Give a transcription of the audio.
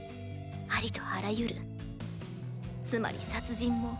ありとあらゆるつまり殺人も。